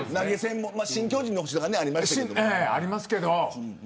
新巨人の星とかありましたけど。